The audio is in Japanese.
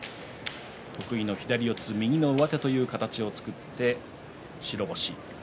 得意の左四つ右の上手という形を作って白星。